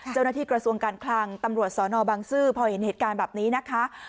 เจ้าหน้าที่กระทรวงการคลังตำรวจสนบังซื้อพอเห็นเหตุการณ์แบบนี้นะคะ